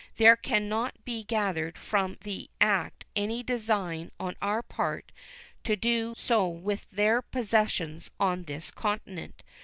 There can not be gathered from the act any design on our part to do so with their possessions on this continent.